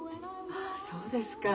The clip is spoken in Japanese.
ああそうですか。